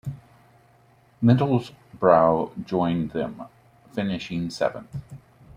Middlesbrough joined them, finishing seventh.